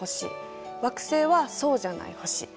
惑星はそうじゃない星。